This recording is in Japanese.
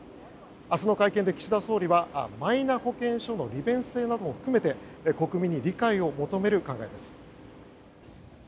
明日の会見で岸田総理はマイナ保険証の利便性なども含めて国民に理解を求める考えです。